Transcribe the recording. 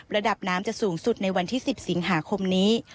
ระดับน้ำจะสูงสุดในวันที่๑๐สิงหาคมนี้